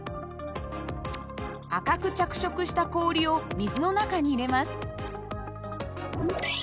赤く着色した氷を水の中に入れます。